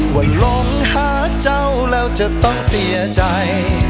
ลงหาเจ้าแล้วจะต้องเสียใจ